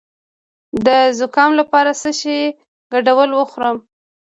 د زکام لپاره د څه شي ګډول وخورم؟